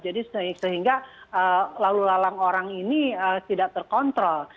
jadi sehingga lalu lalang orang ini tidak terkontrol